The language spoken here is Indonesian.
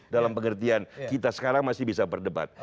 dalam pengertian kita sekarang masih bisa berdebat